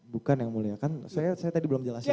bukan yang mulia kan saya tadi belum jelasin